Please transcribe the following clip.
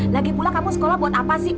lagi pula kamu sekolah buat apa sih